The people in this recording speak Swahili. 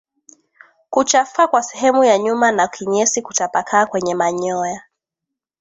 Kuchafuka kwa sehemu ya nyuma na kinyesi kutapakaa kwenye manyoya